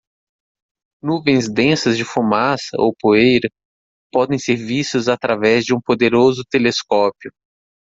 Nuvens densas de fumaça ou poeira podem ser vistas através de um poderoso telescópio.